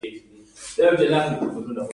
دا دوه ډکي د ګلاب دې هومره ډير شي